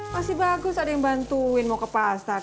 masih bagus ada yang bantuin mau ke pasar